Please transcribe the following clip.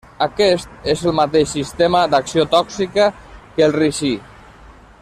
Aquest és el mateix sistema d'acció tòxica que el ricí.